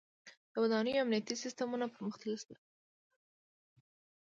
• د ودانیو امنیتي سیستمونه پرمختللي شول.